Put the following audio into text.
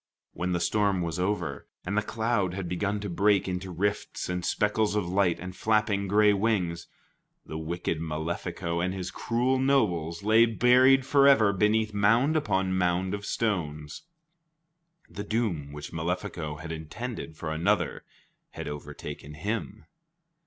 When the storm was over, and the cloud had begun to break into rifts and speckles of light and flapping gray wings, the wicked Malefico and his cruel nobles lay buried forever beneath mound upon mound of stones. The doom which Malefico had intended for another had overtaken him.